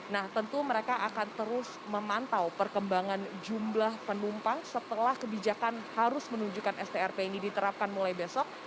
nah tentu mereka akan terus memantau perkembangan jumlah penumpang setelah kebijakan harus menunjukkan strp ini diterapkan mulai besok